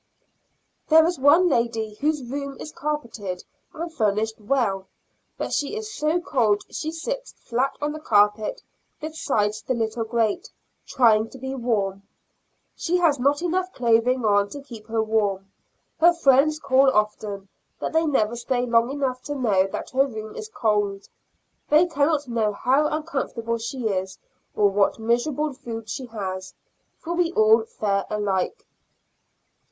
There is one lady whose room is carpeted and furnished well, but she is so cold she sits flat on the carpet beside the little grate, trying to be warm. She has not enough clothing on to keep her warm. Her friends call often, but they never stay long enough to know that her room is cold. They cannot know how uncomfortable she is, or what miserable food she has, for we all fare alike.